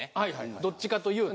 どっちかというと。